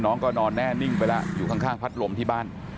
น้องก็นอนแน่นิ่งไปแล้วอยู่ข้างพัดลมที่บ้าน